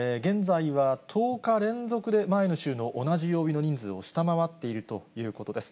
現在は１０日連続で前の週の同じ曜日の人数を下回っているということです。